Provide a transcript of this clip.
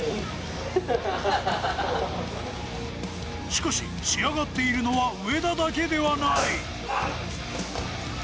しかし、仕上がっているのは上田だけではない。